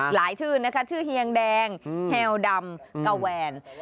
ชื่อนะคะชื่อเฮียงแดงแฮลดำกะแวน